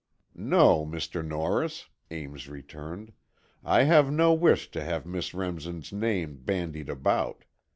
"No, Mr. Norris," Ames returned. "I have no wish to have Miss Remsen's name bandied about.